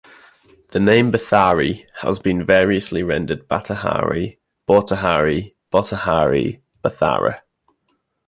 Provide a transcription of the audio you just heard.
The name "Bathari" has been variously rendered: "Batahari, Bautahari, Botahari, Bathara.